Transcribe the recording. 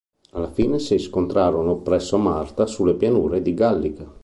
Alla fine si scontrarono presso Marta, sulle pianure di Gallica.